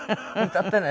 歌ってね？